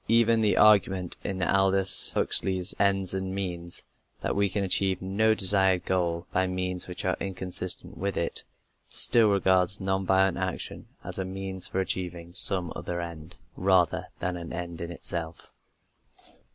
Even the argument in Aldous Huxley's Ends and Means, that we can achieve no desired goal by means which are inconsistent with it, still regards non violent action as a means for achieving some other end, rather than an end in itself.